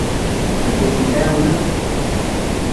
Anda ay ten-tɛawnem?